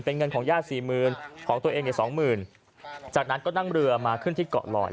เป็นเงินของญาติสี่หมื่นของตัวเองเนี่ยสองหมื่นจากนั้นก็นั่งเรือมาขึ้นที่เกาะลอย